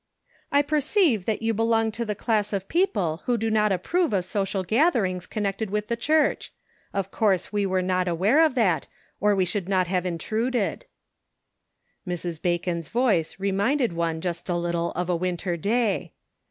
"I perceive that you belong to the class of people who do not approve of social gath erings connected with the church. Of course 74 The Pocket Measure. we were not aware of that, or we should not have intruded." Mrs. Bacon's voice reminded one just a little of a winter day.